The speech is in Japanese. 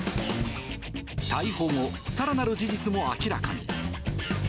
逮捕後、さらなる事実も明らかに。